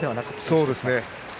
そうですね。